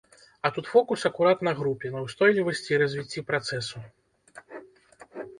А тут фокус акурат на групе, на ўстойлівасці і развіцці працэсу.